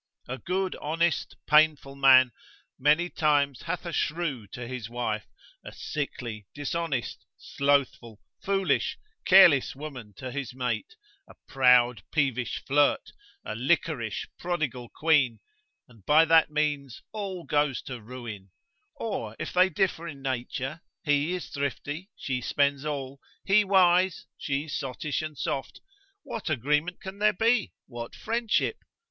A good, honest, painful man many times hath a shrew to his wife, a sickly, dishonest, slothful, foolish, careless woman to his mate, a proud, peevish flirt, a liquorish, prodigal quean, and by that means all goes to ruin: or if they differ in nature, he is thrifty, she spends all, he wise, she sottish and soft; what agreement can there be? what friendship?